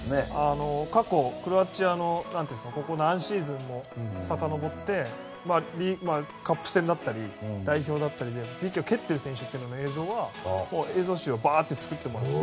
過去、クロアチアのここ何シーズンもさかのぼってカップ戦だったり代表だったりでＰＫを蹴ってる選手の映像集を作ってもらって。